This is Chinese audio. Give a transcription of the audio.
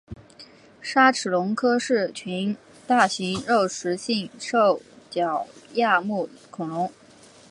鲨齿龙科是群大型肉食性兽脚亚目恐龙。